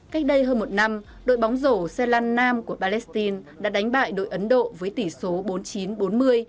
cách đây hơn một năm đội bóng rổ xe lăn nam của palestine đã đánh bại đội ấn độ với tỷ số bốn mươi chín bốn mươi